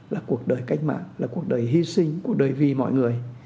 là cuộc đời cách mạng là cuộc đời hy sinh của đời vì mọi người